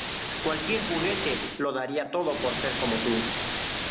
¡ Cualquier juguete lo daría todo por ser como tú!